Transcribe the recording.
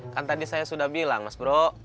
kan tadi saya sudah bilang mas bro